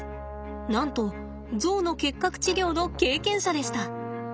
なんとゾウの結核治療の経験者でした。